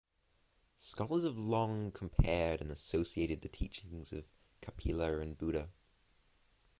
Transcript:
Scholars have long compared and associated the teachings of Kapila and Buddha.